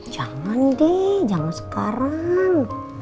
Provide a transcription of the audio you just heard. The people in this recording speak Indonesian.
jangan deh jangan sekarang